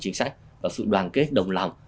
chính sách và sự đoàn kết đồng lòng